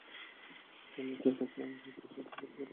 বন্ধুদের কাছে আমার একটা অস্বাভাবিক বাধ্যবাধকতা-বোধ ছিল।